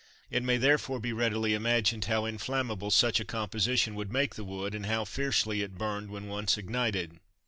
It may therefore be readily imagined how inflammable such a composition would make the wood, and how fiercely it burned when once ignited.